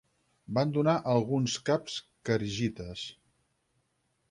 Van donar alguns caps kharigites.